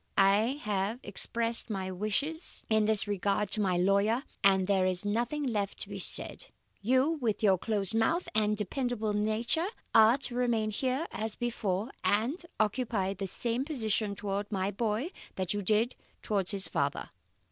I have expressed my wishes in this regard to my lawyer, and there is nothing left to be said. You, with your close mouth and dependable nature, are to remain here as before, and occupy the same position towards my boy that you did towards his father.